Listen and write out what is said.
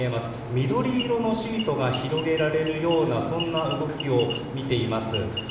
緑色のシートが広げられるようなそんな動きを見ています。